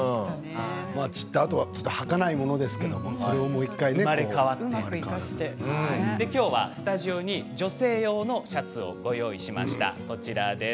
散ったあとははかないものですけれども生まれ変わってきょうはスタジオに女性用のシャツをご用意しました。